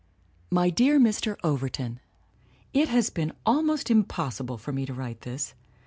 "My dear Mr. Overton : FT has been almost impossible for me to write this.